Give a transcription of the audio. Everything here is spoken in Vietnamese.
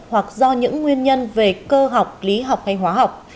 hoặc do những nguyên nhân về cơ học lý học hay hóa học